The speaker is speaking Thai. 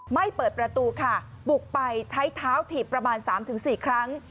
ไม่เปิดประตูค่ะบุกไปใช้เท้าถีบประมาณ๓๔ครั้ง